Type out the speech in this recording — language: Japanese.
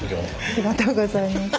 ありがとうございます。